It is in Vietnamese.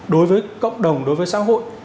đối với cộng đồng đối với xã hội